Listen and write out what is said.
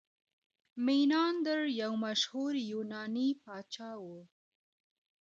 میناندر یو مشهور یوناني پاچا و